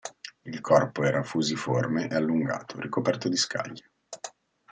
Il corpo era fusiforme e allungato, ricoperto di scaglie.